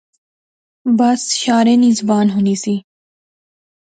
بس شارے نی زبان ہونی سی